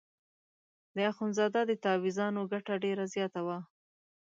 د اخندزاده د تاویزانو ګټه ډېره زیاته وه.